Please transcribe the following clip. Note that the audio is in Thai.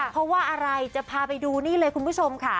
เพราะว่าอะไรจะพาไปดูนี่เลยคุณผู้ชมค่ะ